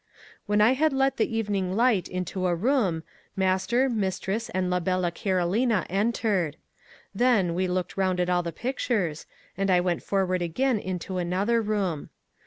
When I had let the evening light into a room, master, mistress, and la bella Carolina, entered. Then, we looked round at all the pictures, and I went forward again into another room.